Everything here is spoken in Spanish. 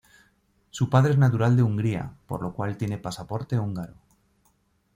Su padre es natural de Hungría, por lo cual tiene pasaporte húngaro.